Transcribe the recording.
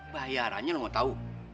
bayarannya lo mau tau